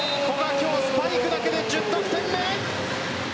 今日、スパイクだけで１０得点目。